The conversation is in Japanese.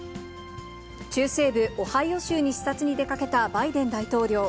中西部オハイオ州に視察に出かけたバイデン大統領。